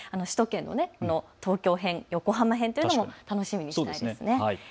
首都圏の東京編、横浜編、というのも楽しみにしたいですね。